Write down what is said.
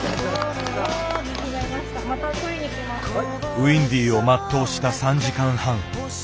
ウインディを全うした３時間半。